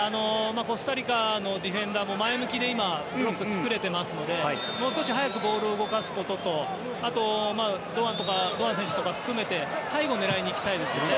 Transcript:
コスタリカのディフェンダーも前向きで今、ブロックを作れていますのでもう少し早くボールを動かすことと堂安選手とか含めて背後を狙いに行きたいですよね。